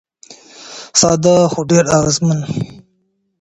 ساده خو ډېر اغېزمن.